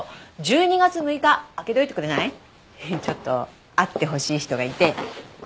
ちょっと会ってほしい人がいて。